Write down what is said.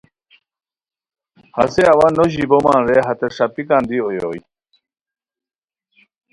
ہسے اوا نو ژیبومان رے ہتے ݰاپیکان دی نو اویوئے